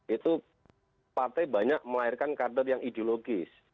itu partai banyak melahirkan kader yang ideologis